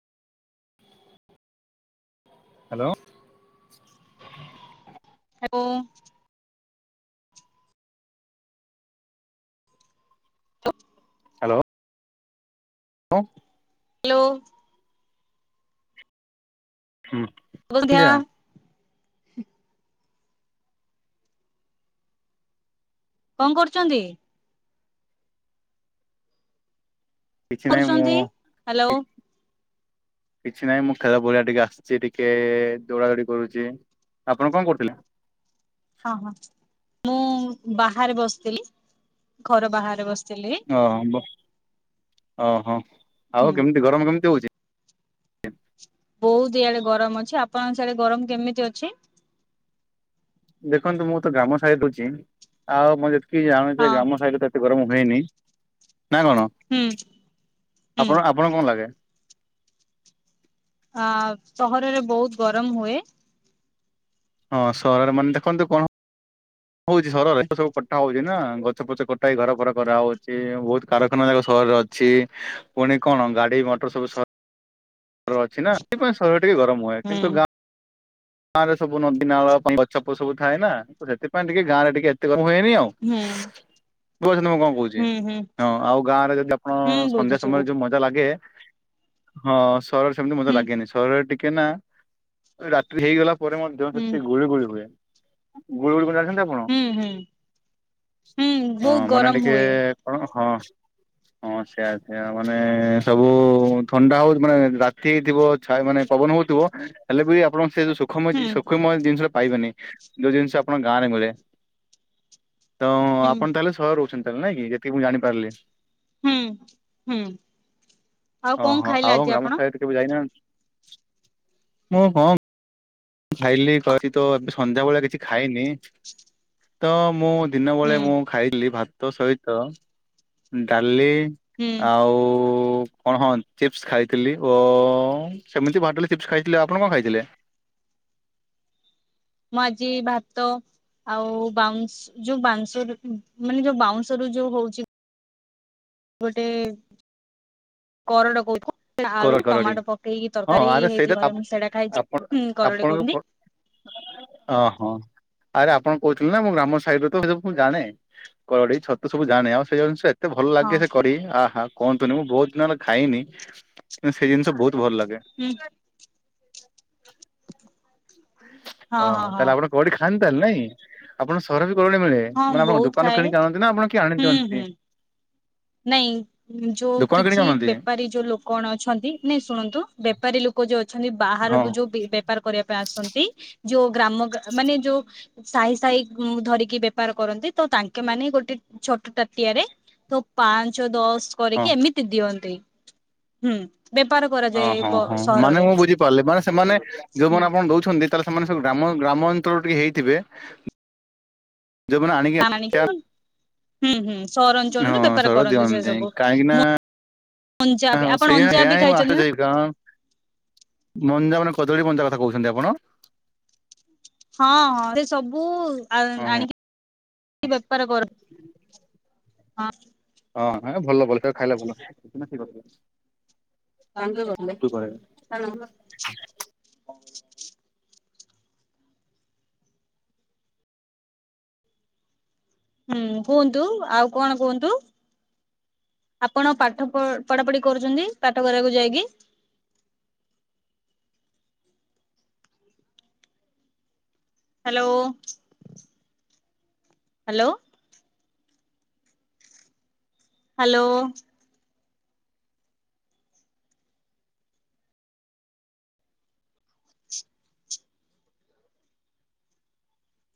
Hello. ଓ hello. ଅ hello. ହୁଁ ସୁଭସନ୍ଧ୍ୟା ହୁଁନ୍ଧିଆ। କଣ କରୁଛନ୍ତି। କିଛି ନାହିଁ ମୁଁ କରୁଛନ୍ତି? ହ୍ୟାଲୋ [unintelligible] କିଛି ନାହିଁ ମୁଁ ଖେଲ ପଡିଆ ଟିକେ ଆସିଛି ଟିକେ ଏ ଦୌଡା ଦୌଡି କରୁଛି। ଆପଣ କଣ କରୁଥିଲେ? ହଁ ହଁ ମୁଁ ବାହାରେ ବସିଥିଲି ଘର ବାହାରେ ବସ ଓହୋ ବ ଓହୋ ହୁଁ। ଆଉ କେମିତି ଗରମ କେମିତି ହଉଛି? ବହୁତ ଇଆଡେ ଗରମ ଅଛି ଆପଣଙ୍କ ସିଆଡେ ଗରମ କେମିତି ଅଛି? [inaudible] ଦେଖନ୍ତୁ ମୁଁ ତ ଗ୍ରାମ ସାହି ଦେଖୁଛି ଆଉ ମୁଁ ଯେତିକି ଜାଣିଛି ଯେ ହଁ ଗ୍ରାମ ସାହିରେ ଏତେ ଗରମ ହୁଏନି ନାଁ କଣ ହୁଁ ହୁଁ ଆପଣ ଆପଣ କଣ ଲାଗେ? ଆ ସହରରେ ବହୁତ ଗରମ ହୁଏ। ହଁ ସହରରେ ମାନେ ଦେଖନ୍ତୁ କଣ ହଉଛି ସହରରେ ସବୁ କଟା ହଉଛିନା ଗଛ ପଛ କଟା ଘର ହେଇ ଘର ଫର କରା ହଉଛି ବହୁତ କାରଖାନା ସ ର ଅଛି ପୁଣି କଣ ଗାଡି ମଟର ସବୁ ସହ ର ଅଛି ନା ସେଥିପାଇଁ ସହର ଟିକେ ଗରମ ହୁଏ ହୁଁ କିନ୍ତୁ ଗାଁ ଗାଁରେ ସବୁ ନଦୀ ନାଳ ଗଛ ପ ସବୁ ଥାଏ ନା ସେଥିପାଇଁ ଟିକେ ଗାଁରେ ଟିକେ ଏତେ ମୁୁଏନି ଆଉ ହୁଁ [unintelligible] ପାରୁଛନ୍ତି ନାଁ ମୁଁ କଣ କହୁଛି ହୁଁ ହୁଁ ହଁ ଆଉ ଗାଁରେ ଯଦି ଆପଣ ହୁଁ ସନ୍ଧ୍ୟା ବୁଝୁଛି ସମୟରେ ଯୋଉ ବୁଝୁଛି ମଜା ଲାଗେ ହଁ ସହରରେ ସେମିତି ମଜା ହୁଁ ଲାଗେନି ସହରରେ ଟିକେ ନା ରାତି ହେଇଗଲା ପ ପରେ ମଧ୍ୟ ହୁଁ ସେତିକି ଗୁଳି ଗୁଳି ହୁଏ ଗୁଳି ଗୁଳି କଣ ଯା ପଣ ହୁଁ ହୁଁ ହୁଁ ବହୁତ ହଁ ମାନେ ଗରମ ଟିକେ ହୁଏ କଣ ହଁ [unintelligible] ହଁ ସେଇୟା ସେଆ ମାନେ ସବୁ ଥଣ୍ଡା ହଉଛି ମାନେ ରାତି ହେଇ ଥିବ ଛ ମାନେ ପବନ ହଉଥିବ ହେଲେ ବି ଆପଣ ସେ ଯଉ ସୁଖ ମୟ ହୁଁ ଜିନି ସୁଖ ମୟ ଜିନିଷ ପାଇବେନି ଯୋଉ ଜିନିଷ ଆପଣ ଗାଁରେ ମିଳେ ତ ହୁଁ ଆପଣ ତାହେଲେ ଶହ ରହୁଛନ୍ତି ତାଲେ ନାଇଁ କି ଯେତିକି ମୁଁ ଜାଣିପାରିଲି ହୁଁ ହୁଁ ଆଉ କଣ ଓହୋ ଖାଇଲେ ଆଉ ଆଜି ଗ୍ରାମ ଆପଣ? ସାଇଟ୍ କେବେ ଯାଇନାହାନ୍ତି ମୁଁ କଣ ଖାଇଲି କହି ତ ଏବେ ସନ୍ଧ୍ୟାବେେଳେ କିଛି ଖାଇନି ତ ମୁଁ ଦିନ ହୁଁ ବେଳେ ମୁଁ ଖାଇଲି ଭାତ ସହିତ ଡାଲି। ହୁଁ ଆଉ। କଣ ହଁ ଚିପ୍ସ ଖାଇଥିଲି ଓ ସେମିତି ବାଡୋଲି ଚିପ୍ସ ଖାଇଥିଲେ ଆପଣ କଣ ଖାଇଥିଲେ? ମୁଁ ଆଜି ଭାତ। ଆଉ ବାଉସ ଯୋଉ ବାଂଶ ରୁ ମାନେ ଯୋଉ ବାଉଶ ରୁ ଯୋଉ ହଉଛି। ଗୋଟେ କରଡ କୋହୁଠୁ। ସେଟା ଆଳୁ କରଡି କରଡି ଟମାଟୋ ପକେଇକି ହଁ ତରକାରୀ ଆରେ ସେଇଟା ହେଇଥିଲା ତ ଘରେ ଆପ- ମୁଁ ସେଇଟା ଖାଇଚି, ହୁ କରଡି କୋହନ୍ତି। ଓ ହୋ। ଆରେ ଆପଣ କହୁଥିଲେ ନା ମୁଁ ଗ୍ରାମ ସାଇ ହିଡରେ ତ ସବୁ ଜାଣେ କଡେଇ ଛତୁ ସବୁଜାଣେ ଆଉ ସେଇ ଜ ଏତେ ଭଲ ହଁ ଲାଗେ ସେ କରି ଆହା କୁହନ୍ତୁନି ମୁଁ ବହୁତ ଦିନ ହେଲା ଖାଇନି କିନ୍ତୁ ସେ ଜିନିଷ ବହୁତ ଭଲ ଲାଗେ [inaudible] ହୁଁ ହଁ ଓହ ହଁ ହଁ ତାହେଲେ ଆପଣ କୋଅଠି ଖାନ୍ତି ତାହେଲେ ନାଇଁ ଆପଣ ସର ବି କୋଠି ମିଳେ ହଁ ମାନେ ଆପଣଙ୍କ ବହୁତ ଦୋକାନରୁ ଖାଏ କିଣିି ଆଣନ୍ତି ନା ଆପଣ କିଏ ଆଣି ହୁଁ ଦିଅନ୍ତି? ହୁଁ। ନାଇଁ ଯୋଉ ଦୋକାନ କିଣିକି କିଛି ଆଣନ୍ତି ବେପାରୀ ଯୋଉ ଲୋକଣ ଅଛନ୍ତି ନାଇଁ ଶୁଣନ୍ତୁ ବେପାରୀ ଲୋକ ଯୋଉ ଅ ଅଛନ୍ତି ହଁ ବାହାରକୁ ଯୋଉ ବେ ବେପାର କରିବା। କା ଆସନ୍ତି ଯୋଉ ଗ୍ରାମ ଗା ମାନେ ଯୋଉ ସାହି ସାହି ଉ ଗୁଁ ଧରିକି ବେପାର କରନ୍ତି, ତ ତାଙ୍କେ ମାନେ ଗୋଟେ ଛୋଟ ତାଟିଆରେ। ପାଞ୍ଚ ଦଶ ହଁ। କରିକି ଏମିତି ଦିଅନ୍ତି, ହୁଁ। ବେପାର ଓ କରାଯାଏ ହଁ ବ ହଁ ମାନେ ସହରରେ ମୁଁ ବୁଝିପାରିଲି ମାନେ ସେମାନେ ହୁଁ ଯୋଉମାନେ ଆପଣ ଦଉଛନ୍ତି ତାହେଲେ। ସେମାନେ ସବୁ ଗ୍ରାମ ଗ୍ରାମ ଅଞ୍ଚଳ ଟିକେ ହେଇଥିବେ ଯୋଉମନେ ଆଣିକି ଆଣିିକି ହୁଁ ହୁଁ [unintelligible] ସହରାଞ୍ଚଳରେ ହଁ ବେପାର ସେଳିଆ କରନ୍ତି ସେ ଦିଅନ୍ତି ସବୁ। କହିଁକିନା? ଅଞ୍ଜା ହ ବି ଆପଣ ସେୟା ଅଞ୍ଜା ହେୟା ବି ଖାଇଛନ୍ତି ନା ଆସଜ ହେଇ ମଞ୍ଜା ମାନେ କଦଳୀ ମଞ୍ଜା କଥା କହୁଛନ୍ତି ଆପଣ? ହଁ ହଁ ସେ ସବୁ ଆ ହଁ ହଁ। ଆଣିକି ବେପାର କର ହଁ ହଁ ହଁ ଭଲ ଭଲ ଖାଇଲା ଭଲ ଠିକ କ ହଁ। ତାଙ୍କ କହ? [unintelligible] ହୁଁ କୁହନ୍ତୁ ଆଉ କଣ କୁହନ୍ତୁ? ଆପଣ ପାଠ ପଢାପଢି କରୁଛନ୍ତି ପାଠଗାରାକୁ ଯାଇକି? [inaudible] ହ୍ୟାଲୋ। ହ୍ୟାଲୋ। ହ୍ୟାଲୋ।